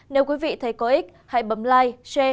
nếu quý vị thấy có ích hãy bấm like share